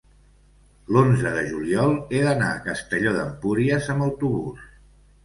l'onze de juliol he d'anar a Castelló d'Empúries amb autobús.